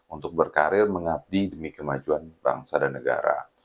untuk berkarir mengabdi demi kemajuan bangsa dan negara